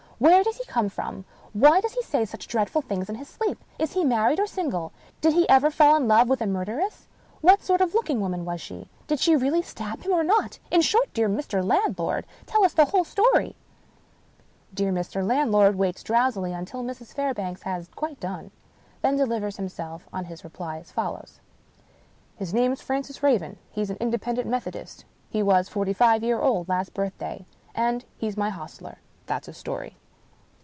"Where does he come from? Why does he say such dreadful things in his sleep? Is he married or single ? Did he ever fall in love with a murderess ? What sort of a looking woman was she ? Did she really stab him or not? In short, dear Mr. Landlord, tell us the whole story!" Dear Mr. Landlord waits drowsily until Mrs. Fairbank has quite done — then delivers himself of his reply as follows: " His name's Francis Raven. He's an Independent Methodist. He was forty five year old last birthday. And he's my hostler. That's his story."